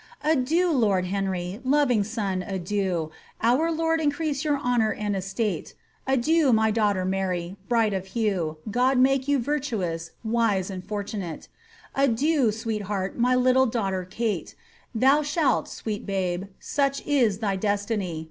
• Adieu, lord Henry,^ loving son, adieu, Onr Lord increase your honour and estate ; Adiea, my daughter Mary,* bright of hue, God make you virtuous, wise, and fortunate; Adieu, sweetheart, my little daughter Kate,' Thou shalt, sweet babe, such is thy destiny.